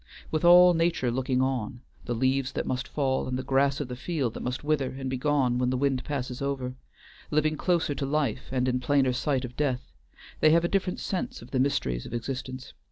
With all nature looking on, the leaves that must fall, and the grass of the field that must wither and be gone when the wind passes over, living closer to life and in plainer sight of death, they have a different sense of the mysteries of existence.